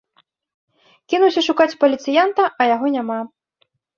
Кінуўся шукаць паліцыянта, а яго няма.